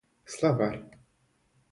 Словарь